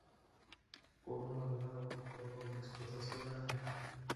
Pueblo abandonado, ocupado por una explotación ganadera.